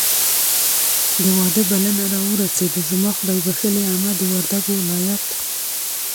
د واده بلنه راورسېده. زما خدایبښلې عمه د وردګو ولایت